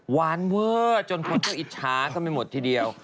หวานเวอร์จนคนเจ้าียลอิจชาก็ไม่หมดที่เดียว